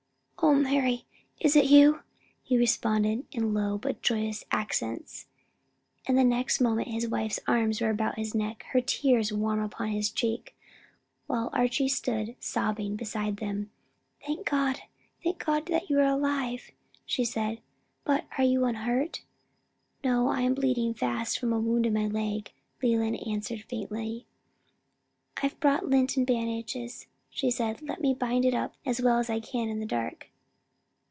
"O Mary, is it you?" he responded, in low but joyous accents, and the next moment his wife's arms were about his neck, her tears warm upon his cheek, while Archie stood sobbing beside them. "Thank God, thank God that you are alive!" she said, "But are you unhurt?" "No, I am bleeding fast from a wound in my leg," Leland answered faintly. "I've brought lint and bandages," she said, "let me bind it up as well as I can in the dark."